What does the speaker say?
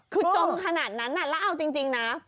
คันถนนั้นนั่นแล้วเอาจริงนะ